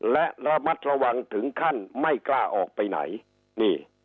และระมัดระวังถึงขั้นไม่กล้าออกไปไหนนี่